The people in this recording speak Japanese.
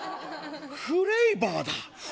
フレーバーだ。